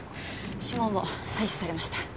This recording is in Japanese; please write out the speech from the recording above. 指紋も採取されました。